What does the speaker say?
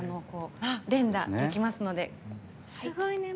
連打できますので。